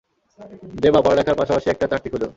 দেবা, পড়ালেখারার পাশাপাশি একটা চাকরি খুঁজো।